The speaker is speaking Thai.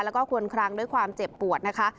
แล้วก็ควรคลังด้วยความเจ็บปวดนะคะ